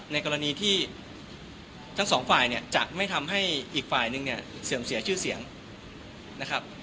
ในกรณีที่ทั้งสองฝ่ายเนี่ยจะไม่ทำให้อีกฝ่ายนึงเนี่ยเสื่อมเสียชื่อเสียงนะครับ